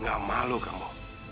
nggak malu kamu